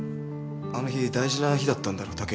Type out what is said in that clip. あの日大事な日だったんだろ？